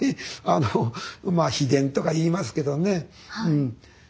まあ秘伝とか言いますけどね。